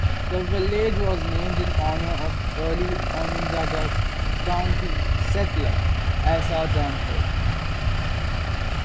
The village was named in honor of early Onondaga County settler Asa Danforth.